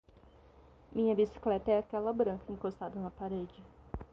Minha bicicleta é aquela branca encostada na parede.